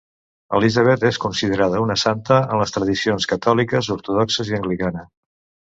Elisabet és considerada una santa en les tradicions catòliques, ortodoxes i anglicana.